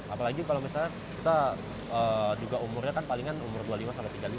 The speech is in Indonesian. apalagi kalau misalnya kita juga umurnya kan palingan umur dua puluh lima tiga puluh lima kan belum terlalu